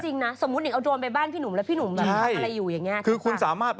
จริงนะสมมุตินิงเอาโดรนไปบ้านพี่หนุ่มแล้วพี่หนุ่มแบบทำอะไรอยู่อย่างนี้